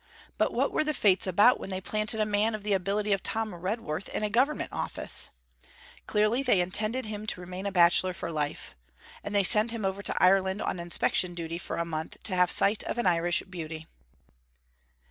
But what were the Fates about when they planted a man of the ability of Tom Redworth in a Government office! Clearly they intended him to remain a bachelor for life. And they sent him over to Ireland on inspection duty for a month to have sight of an Irish Beauty....